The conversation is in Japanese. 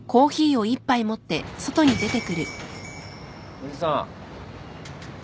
おじさん。